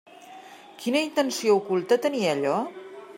Quina intenció oculta tenia allò?